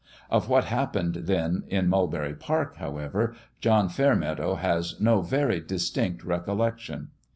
Of what hap pened, then, in Mulberry Park, however, John Fairmeadow has no very distinct recollection.